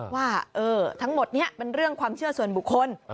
ว่าทั้งหมดนี้เป็นเรื่องความเชื่อส่วนบุคคล